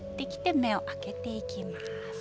目を開けていきます。